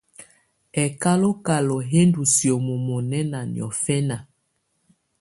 Ɛkálɔ̀kálɔ̀ yɛ̀ ndù sìómó munɛna niɔ̀fɛna.